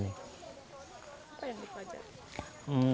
apa yang di belajar